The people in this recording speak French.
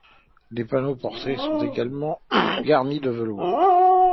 Les panneaux de portes sont également garnis de velours.